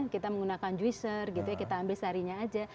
kita menggunakan juicer gitu ya kita ambil sarinya saja